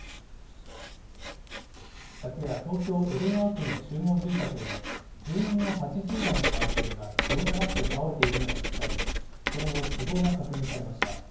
昨夜、東京・江戸川区の集合住宅で、住民の８０代の男性が血を流して倒れているのが見つかり、その後、死亡が確認されました。